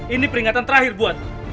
ini peringatan terakhir buat